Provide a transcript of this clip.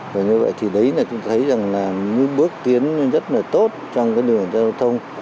và như vậy thì đấy là chúng thấy rằng là những bước tiến rất là tốt trong cái lực lượng giao thông